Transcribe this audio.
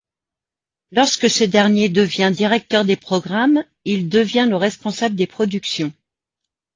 Lorsque ce dernier devient directeur des programmes, il devient le responsable des productions.